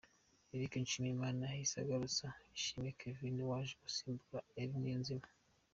Eric Nshimiyimana yahise ahagurutsa Ihsimwe Kevin waje gusimbura Ally Niyonzima.